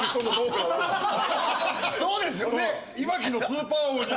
そうですよね。